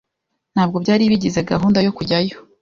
Ntabwo byari bigize gahunda yokujyayo